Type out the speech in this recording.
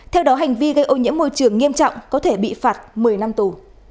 theo đó hành vi gây ô nhiễm môi trường nghiêm trọng có thể bị phạt một mươi năm tù